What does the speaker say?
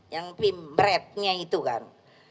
yang pimpretnya itu kan